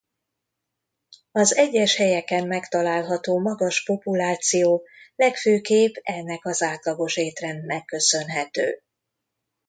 Az egyes helyeken megtalálható magas populáció legfőképp ennek az átlagos étrendnek köszönhető.